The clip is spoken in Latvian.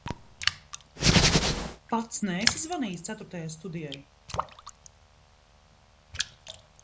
Pats neesi zvanījis ceturtajai studijai?